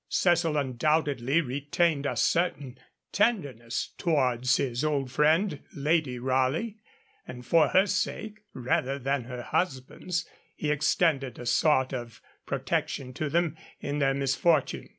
Cecil undoubtedly retained a certain tenderness towards his old friend Lady Raleigh, and for her sake, rather than her husband's, he extended a sort of protection to them in their misfortune.